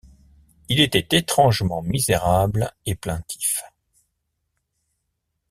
Il était étrangement misérable et plaintif.